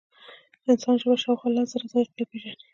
د انسان ژبه شاوخوا لس زره ذایقې پېژني.